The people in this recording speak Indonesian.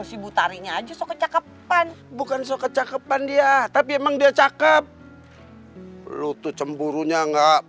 si butarinya aja kecapekan bukan so kecapekan dia tapi emang dia cakep lu tuh cemburu nya enggak